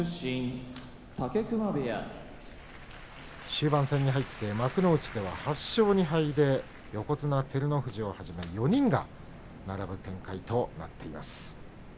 終盤戦に入って幕内では８勝２敗で横綱照ノ富士をはじめ４人が並ぶ展開です。